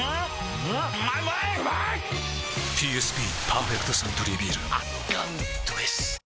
ＰＳＢ「パーフェクトサントリービール」圧巻どぇす！